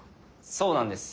そうなんです